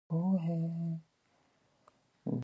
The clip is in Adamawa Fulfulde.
Ɓiŋngel laamɗo boo ɗon tokka durugo naʼi haa ladde.